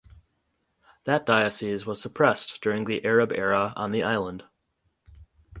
That diocese was suppressed during the Arab era on the island.